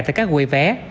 tại các quầy vé